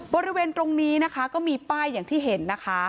บริเวณตรงนี้นะคะก็มีป้ายอย่างที่เห็นนะคะ